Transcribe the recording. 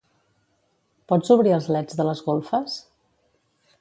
Pots obrir els leds de les golfes?